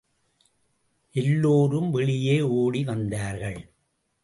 எல்லோரும் வெளியே ஒடி வந்தார்கள்.